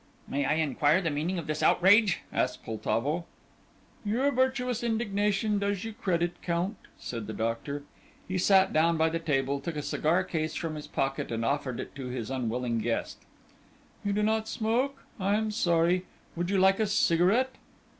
"May I inquire the meaning of this outrage?" asked Poltavo. "Your virtuous indignation does you credit, Count," said the doctor. He sat down by the table, took a cigar case from his pocket, and offered it to his unwilling guest. "You do not smoke; I am sorry. Would you like a cigarette?"